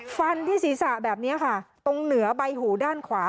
ฟันที่ศีรษะแบบนี้ค่ะตรงเหนือใบหูด้านขวา